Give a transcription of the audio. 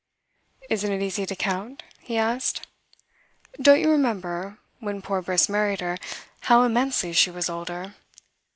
"Isn't it easy to count?" he asked. "Don't you remember, when poor Briss married her, how immensely she was older?